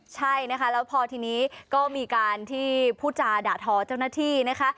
ใช่นะคะแล้วพอทีนี้ก็มีการที่พูดจาด่าทอเจ้าหน้าที่นะคะ